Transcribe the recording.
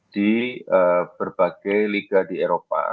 di berbagai liga di eropa